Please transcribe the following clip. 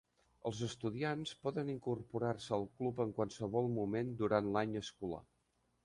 Els estudiants poden incorporar-se al club en qualsevol moment durant l"any escolar.